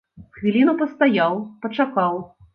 З хвіліну пастаяў, пачакаў.